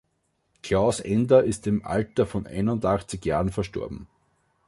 Klaus Ender ist im Alter von einundachtzig Jahren verstorben.